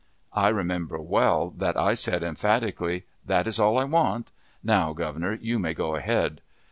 I remember well that I said, emphatically: "That is all I want. Now, Governor, you may go ahead."